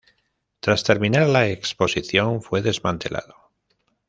Tras terminar la exposición fue desmantelado.